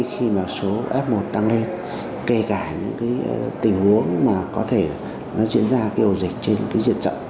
khi mà số f một tăng lên kể cả những tình huống mà có thể diễn ra ổ dịch trên diện trọng